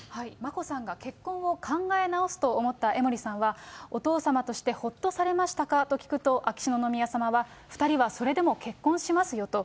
眞子さんが結婚を考え直すと思った江森さんは、お父様としてほっとされましたかと聞くと、秋篠宮さまは、２人はそれでも結婚しますよと。